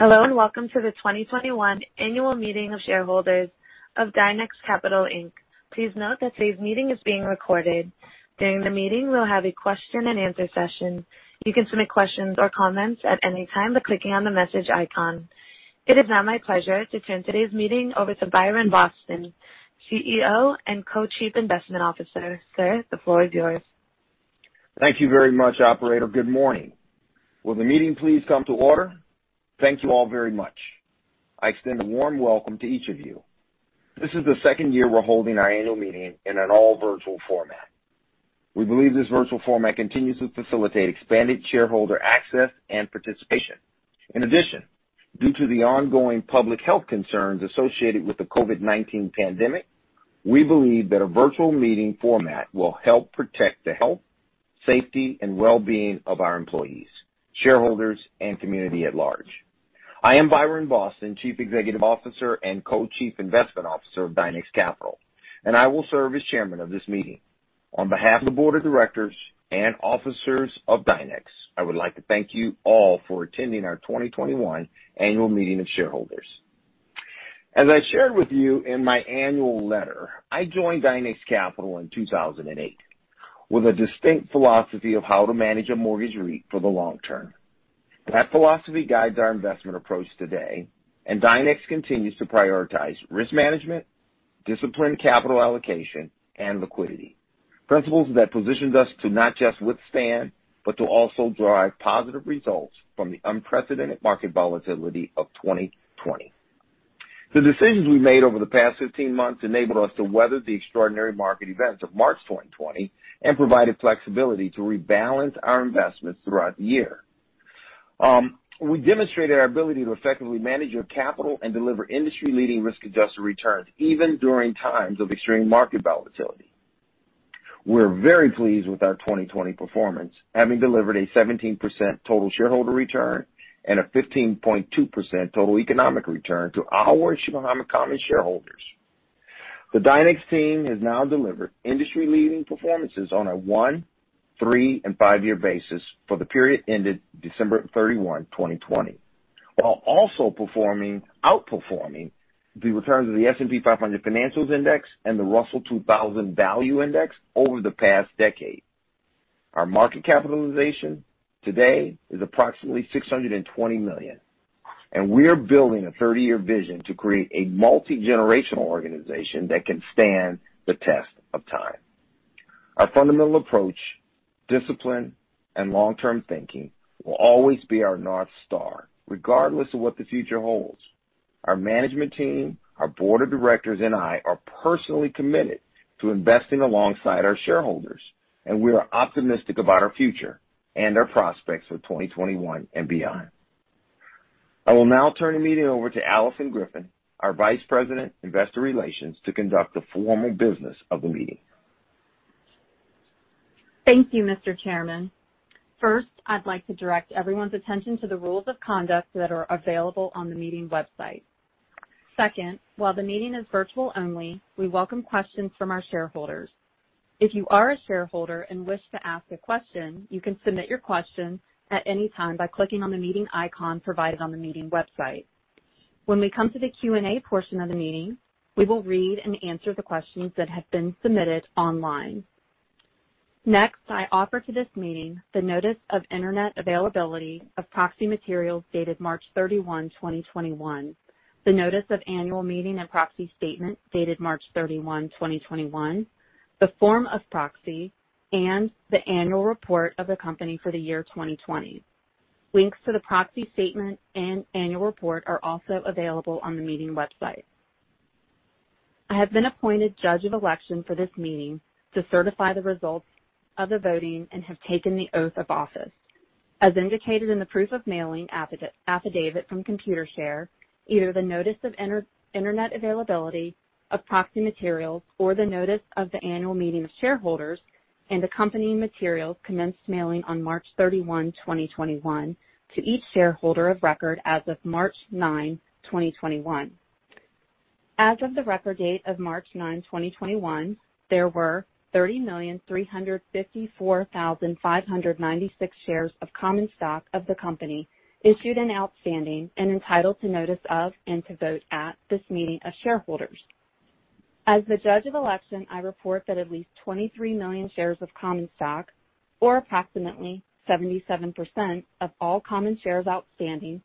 Hello, welcome to the 2021 annual meeting of shareholders of Dynex Capital, Inc. Please note that today's meeting is being recorded. During the meeting, we'll have a question and answer session. You can submit questions or comments at any time by clicking on the message icon. It is now my pleasure to turn today's meeting over to Byron Boston, CEO and Co-Chief Investment Officer. Sir, the floor is yours. Thank you very much, operator. Good morning. Will the meeting please come to order? Thank you all very much. I extend a warm welcome to each of you. This is the second year we're holding our annual meeting in an all virtual format. We believe this virtual format continues to facilitate expanded shareholder access and participation. In addition, due to the ongoing public health concerns associated with the COVID-19 pandemic, we believe that a virtual meeting format will help protect the health, safety, and wellbeing of our employees, shareholders, and community at large. I am Byron Boston, Chief Executive Officer and Co-chief Investment Officer of Dynex Capital, and I will serve as Chairman of this meeting. On behalf of the Board of Directors and Officers of Dynex, I would like to thank you all for attending our 2021 annual meeting of shareholders. As I shared with you in my annual letter, I joined Dynex Capital in 2008 with a distinct philosophy of how to manage a mortgage REIT for the long term. That philosophy guides our investment approach today, and Dynex continues to prioritize risk management, disciplined capital allocation, and liquidity, principles that positioned us to not just withstand, but to also derive positive results from the unprecedented market volatility of 2020. The decisions we made over the past 15 months enabled us to weather the extraordinary market events of March 2020 and provided flexibility to rebalance our investments throughout the year. We demonstrated our ability to effectively manage your capital and deliver industry-leading risk-adjusted returns even during times of extreme market volatility. We're very pleased with our 2020 performance, having delivered a 17% total shareholder return and a 15.2% total economic return to our common shareholders. The Dynex team has now delivered industry-leading performances on a one, three, and five-year basis for the period ended December 31, 2020, while also outperforming the returns of the S&P 500 Financials Index and the Russell 2000 Value Index over the past decade. Our market capitalization today is approximately $620 million, and we're building a 30-year vision to create a multi-generational organization that can stand the test of time. Our fundamental approach, discipline, and long-term thinking will always be our North Star, regardless of what the future holds. Our management team, our Board of Directors, and I are personally committed to investing alongside our shareholders, and we are optimistic about our future and our prospects for 2021 and beyond. I will now turn the meeting over to Alison Griffin, our Vice President, Investor Relations, to conduct the formal business of the meeting. Thank you, Mr. Chairman. First, I'd like to direct everyone's attention to the rules of conduct that are available on the meeting website. Second, while the meeting is virtual only, we welcome questions from our shareholders. If you are a shareholder and wish to ask a question, you can submit your question at any time by clicking on the meeting icon provided on the meeting website. When we come to the Q&A portion of the meeting, we will read and answer the questions that have been submitted online. Next, I offer to this meeting the Notice of Internet Availability of Proxy Materials dated March 31, 2021, the Notice of Annual Meeting and Proxy Statement dated March 31, 2021, the Form of Proxy, and the Annual Report of the Company for the year 2020. Links to the proxy statement and annual report are also available on the meeting website. I have been appointed judge of election for this meeting to certify the results of the voting and have taken the oath of office. As indicated in the proof of mailing affidavit from Computershare, either the notice of internet availability of proxy materials or the notice of the annual meeting of shareholders and accompanying materials commenced mailing on March 31, 2021, to each shareholder of record as of March 9, 2021. As of the record date of March 9, 2021, there were 30,354,596 shares of common stock of the company issued and outstanding and entitled to notice of and to vote at this meeting of shareholders. As the Judge of Election, I report that at least 23 million shares of common stock, or approximately 77% of all common shares outstanding,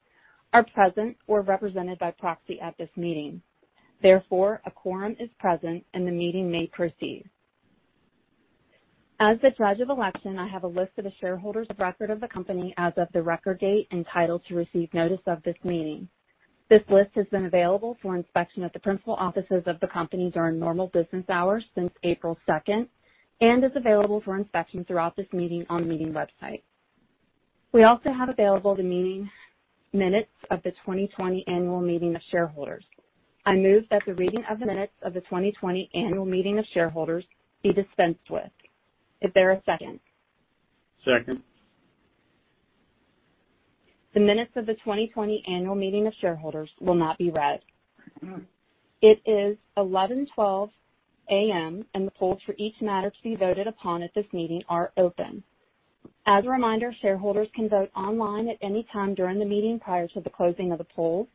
are present or represented by proxy at this meeting. Therefore, a quorum is present, and the meeting may proceed. As the Judge of Election, I have a list of the shareholders of record of the company as of the record date entitled to receive notice of this meeting. This list has been available for inspection at the principal offices of the company during normal business hours since April second and is available for inspection throughout this meeting on the meeting website. We also have available the minutes of the 2020 annual meeting of shareholders. I move that the reading of the minutes of the 2020 annual meeting of shareholders be dispensed with. Is there a second? Second. The minutes of the 2020 annual meeting of shareholders will not be read. It is 11:12 A.M. The polls for each matter to be voted upon at this meeting are open. As a reminder, shareholders can vote online at any time during the meeting prior to the closing of the polls.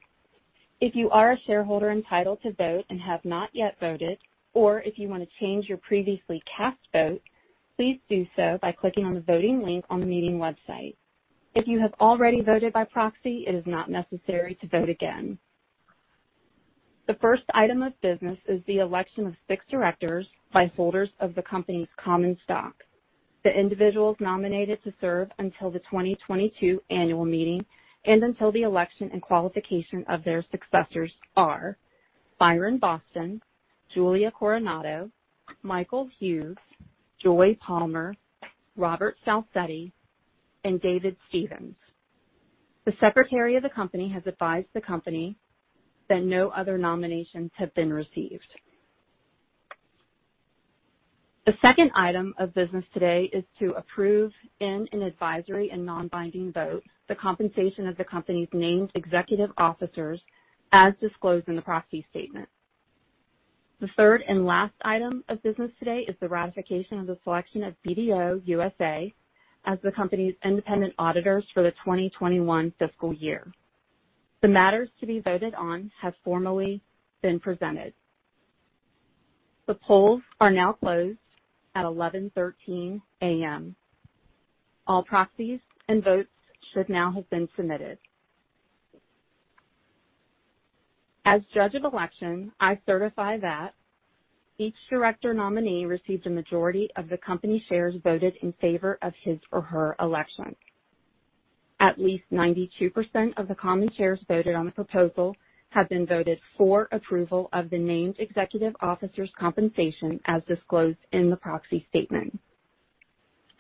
If you are a shareholder entitled to vote and have not yet voted, or if you want to change your previously cast vote, please do so by clicking on the voting link on the meeting website. If you have already voted by proxy, it is not necessary to vote again. The first item of business is the election of six directors by holders of the company's common stock. The individuals nominated to serve until the 2022 annual meeting and until the election and qualification of their successors are Byron Boston, Julia Coronado, Michael Hughes, Joy Palmer, Robert Salcetti, and David Stevens. The secretary of the company has advised the company that no other nominations have been received. The second item of business today is to approve, in an advisory and non-binding vote, the compensation of the company's named executive officers as disclosed in the proxy statement. The third and last item of business today is the ratification of the selection of BDO USA as the company's independent auditors for the 2021 fiscal year. The matters to be voted on have formally been presented. The polls are now closed at 11:13A.M. All proxies and votes should now have been submitted. As judge of election, I certify that each director nominee received a majority of the company shares voted in favor of his or her election. At least 92% of the common shares voted on the proposal have been voted for approval of the named executive officers' compensation as disclosed in the proxy statement.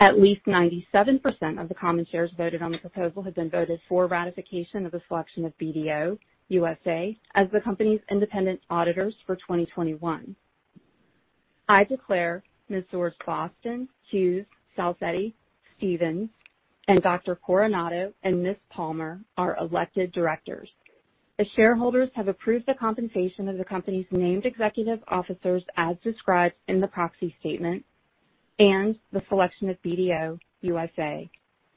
At least 97% of the common shares voted on the proposal have been voted for ratification of the selection of BDO USA as the company's independent auditors for 2021. I declare Messrs Boston, Hughes, Salcetti, Stevens, and Dr. Coronado and Ms. Palmer are elected directors. The shareholders have approved the compensation of the company's named executive officers as described in the proxy statement, and the selection of BDO USA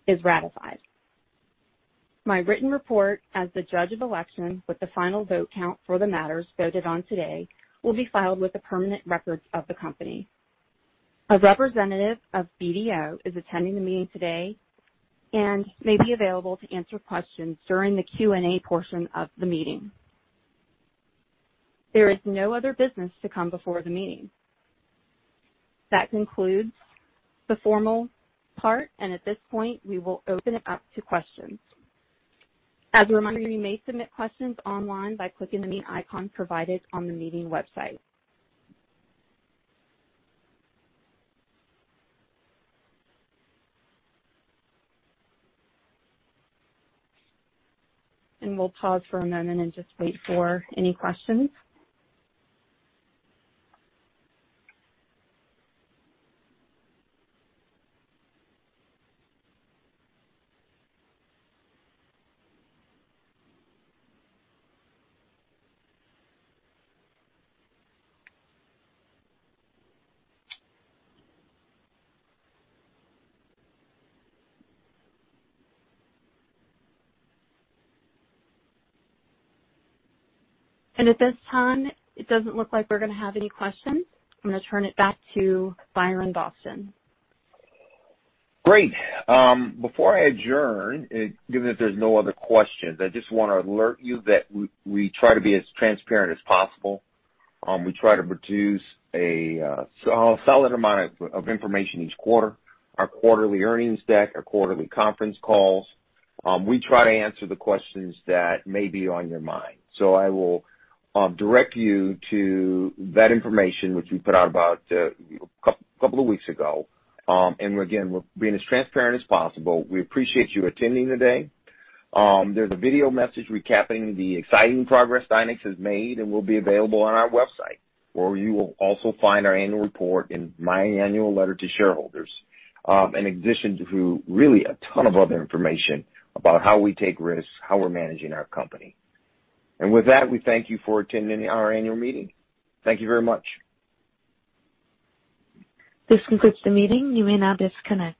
is ratified. My written report as the judge of election with the final vote count for the matters voted on today will be filed with the permanent records of the company. A representative of BDO is attending the meeting today and may be available to answer questions during the Q&A portion of the meeting. There is no other business to come before the meeting. That concludes the formal part, and at this point, we will open it up to questions. As a reminder, you may submit questions online by clicking the meet icon provided on the meeting website. We'll pause for a moment and just wait for any questions. At this time, it doesn't look like we're going to have any questions. I'm going to turn it back to Byron Boston. Great. Before I adjourn, given that there's no other questions, I just want to alert you that we try to be as transparent as possible. We try to produce a solid amount of information each quarter, our quarterly earnings deck, our quarterly conference calls. We try to answer the questions that may be on your mind. I will direct you to that information, which we put out about a couple of weeks ago. Again, we're being as transparent as possible. We appreciate you attending today. There's a video message recapping the exciting progress Dynex has made and will be available on our website, where you will also find our annual report and my annual letter to shareholders, in addition to really a ton of other information about how we take risks, how we're managing our company. With that, we thank you for attending our annual meeting. Thank you very much. This concludes the meeting. You may now disconnect.